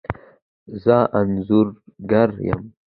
زه انځورګر یم